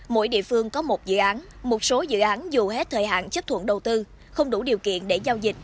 mỗi địa phương có một dự án một số dự án dù hết thời hạn chấp thuận đầu tư không đủ điều kiện để giao dịch